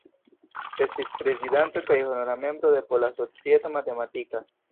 Estis prezidanto kaj honora membro de Pola Societo Matematika.